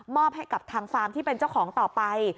ให้กับทางฟาร์มที่เป็นเจ้าของต่อไป